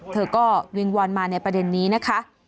เธอก็วิงวอนมาในประเด็นนี้นะคะ